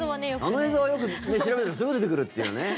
あの映像は、調べるとすぐ出てくるっていうね。